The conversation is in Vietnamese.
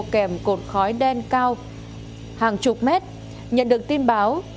kèm cột khói đen cao hàng chục mét nhận được tin báo